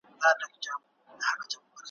خو د ننګ خلک دي جنګ ته لمسولي ,